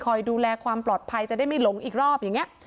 ดูแลความปลอดภัยจะได้ไม่หลงอีกรอบอย่างนี้